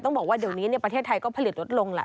บอกว่าเดี๋ยวนี้ประเทศไทยก็ผลิตลดลงแหละ